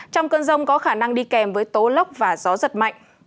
trong cơn rông có khả năng đi kèm với tố lốc và gió giật mạnh